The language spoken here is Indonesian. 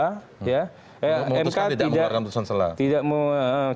mekan tidak menghargai putusan sela